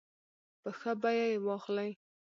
په ښه بیه یې واخلي.